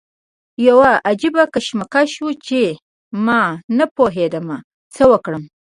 یو عجیبه کشمکش و چې ما نه پوهېدم څه وکړم.